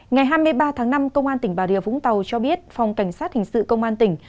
ngày hai mươi ba tháng năm công an tỉnh bà rịa vũng tàu cho biết phòng cảnh sát hình sự công an tỉnh